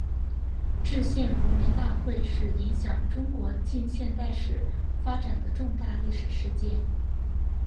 制宪国民大会是影响中国近现代史发展的重大历史事件。